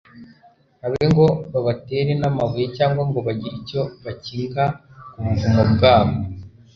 habe ngo babatere n'amabuye cyangwa ngo bagire icyo bakinga ku buvumo bwabo